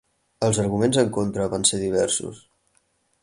Els arguments en contra van ser diversos.